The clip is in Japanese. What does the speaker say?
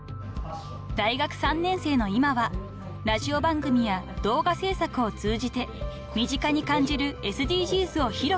［大学３年生の今はラジオ番組や動画制作を通じて身近に感じるＳＤＧｓを広く発信］